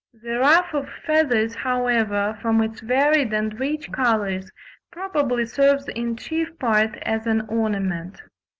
The ruff of feathers, however, from its varied and rich colours probably serves in chief part as an ornament.